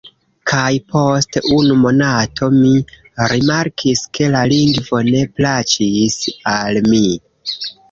Kaj post unu monato, mi rimarkis, ke la lingvo ne plaĉis al mi.